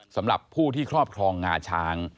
สำหรับผู้ที่ครอบครองงาช้าง